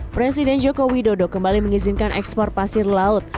presiden joko widodo kembali mengizinkan ekspor pasir laut